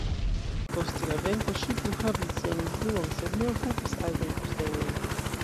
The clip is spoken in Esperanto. Post la venko ŝi plu havis sian influon, sed ne okupis altajn postenojn.